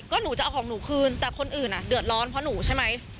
ก็หนูจะเอาของหนูคืนแต่คนอื่นอ่ะเดือดร้อนเพราะหนูใช่ไหม